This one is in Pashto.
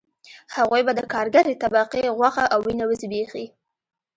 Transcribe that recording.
هغوی به د کارګرې طبقې غوښه او وینه وزبېښي